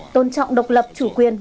tôn trọng độc lập chủ quyền